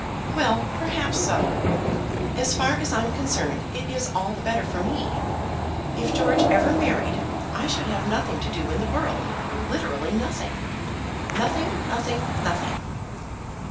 "Well, perhaps so. As far as I'm concerned, it is all the better for me. If George ever married, I should have nothing to do in the world; literally nothing nothing nothing nothing!"